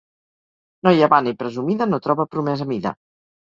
Noia vana i presumida no troba promès a mida.